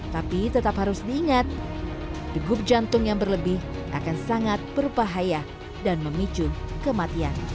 tapi tetap harus diingat degup jantung yang berlebih akan sangat berbahaya dan memicu kematian